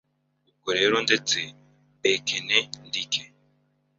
ubwo rero ndetse bekenendike.